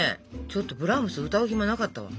ちょっとブラームス歌う暇なかったわ。